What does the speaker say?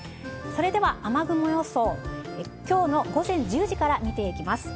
それでは雨雲予想、きょうの午前１０時から見ていきます。